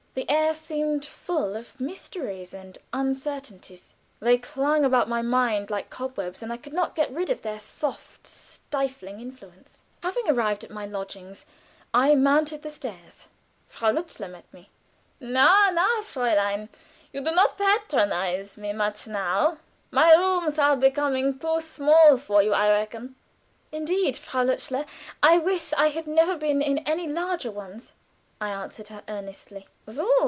The air seemed full of mysteries and uncertainties; they clung about my mind like cobwebs, and I could not get rid of their soft, stifling influence. Having arrived at my lodgings, I mounted the stairs. Frau Lutzler met me. "Na, na, Fräulein! You do not patronize me much now. My rooms are becoming too small for you, I reckon." "Indeed, Frau Lutzler, I wish I had never been in any larger ones," I answered her, earnestly. "So!